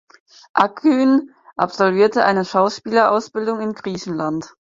Akgün absolvierte eine Schauspielausbildung in Griechenland.